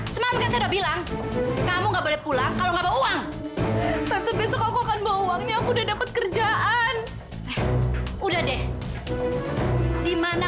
sampai jumpa di video selanjutnya